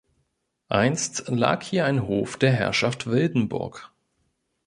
Einst lag hier ein Hof der Herrschaft Wildenburg.